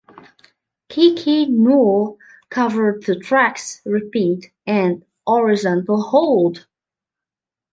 K K Null covered the tracks "Repeat" and "Horizontal Hold".